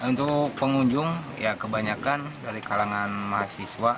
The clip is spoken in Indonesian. untuk pengunjung ya kebanyakan dari kalangan mahasiswa